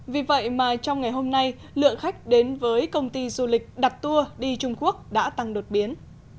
vì vậy mà trong ngày hôm nay lượng khách đến với công ty du lịch đặt tour đi trung quốc đã tăng đột biến